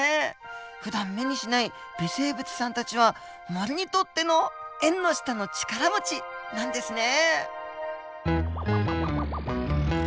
ふだん目にしない微生物さんたちは森にとっての「縁の下の力持ち」なんですね。